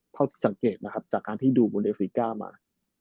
เพราะสังเกตจากการที่ดูวูเดฟริกามา